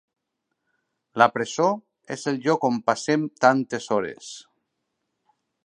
La presó és el lloc on passem tantes hores.